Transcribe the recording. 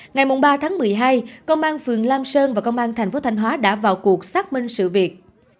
ngày ba tháng một mươi hai công an phường lam sơn và công an thành phố thanh hóa đã vào cuộc xác minh sự việc